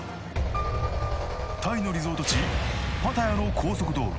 タイのリゾート地パタヤの高速道路